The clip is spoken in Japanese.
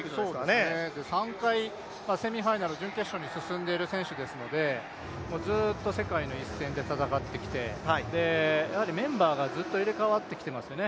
３回セミファイナル、準決勝に出ている選手ですからずっと世界の一線で戦ってきて、メンバーがずっと入れ替わってきていますよね。